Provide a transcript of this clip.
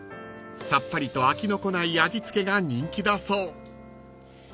［さっぱりと飽きのこない味付けが人気だそう］